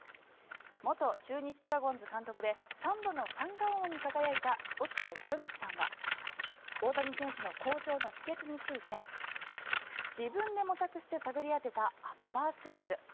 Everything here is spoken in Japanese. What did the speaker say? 元中日ドラゴンズ監督で３度の三冠王に輝いた落合博満さんは大谷選手の好調の秘けつについて自分で模索して探り当てたアッパースイング。